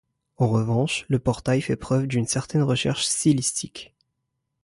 En revanche, le portail fait preuve d'une certaine recherche stylistique.